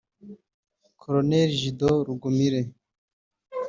Col Gido Rugumire